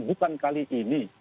bukan kali ini